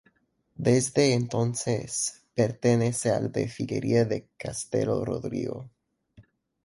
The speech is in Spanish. Desde entonces pertenece al de Figueira de Castelo Rodrigo.